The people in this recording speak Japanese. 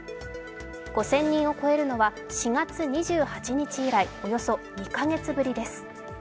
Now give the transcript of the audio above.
５０００人を超えるのは４月２８日以来およそ２カ月ぶりです。